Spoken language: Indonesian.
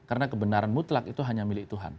karena kebenaran mutlak itu hanya milik tuhan